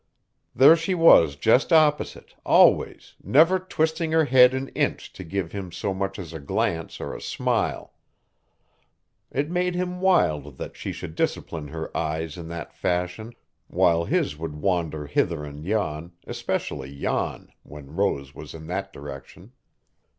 There she was just opposite, always, never twisting her head an inch to give him so much as a glance or a smile. It made him wild that she should discipline her eyes in that fashion, while his would wander hither and yon, especially yon when Rose was in that direction.